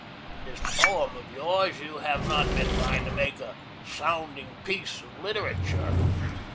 In this poem of yours, you have not been trying to make a sounding piece of literature.